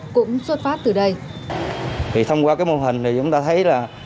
cũng xuất phát từ đây